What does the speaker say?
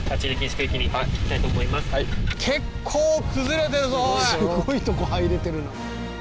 それではすごいとこ入れてるな。